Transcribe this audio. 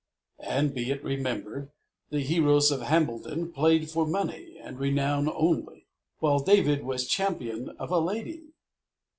And, be it remembered, the heroes of Hambledon played for money and renown only, while David was champion of a lady.